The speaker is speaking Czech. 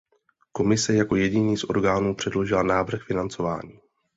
Komise jako jediný z orgánů předložila návrh financování.